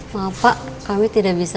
maaf pak kami tidak bisa